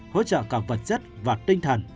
hỗ trợ cả vật chất và tinh thần